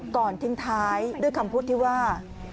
ก่อนทีท้ายด้วยคำพูดที่ว่า